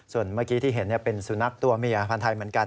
ส่วนเมื่อกี้ที่เห็นเป็นสุนัขตัวเมียพันธ์ไทยเหมือนกัน